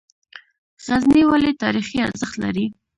غزني ولې تاریخي ارزښت لري؟